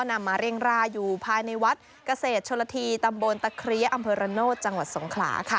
นำมาเรียงลาอยู่ภายในวัดเกษฐชนทีตำบลตะครียะอัมเภอราโนตถ์จังหวัดทรงขลา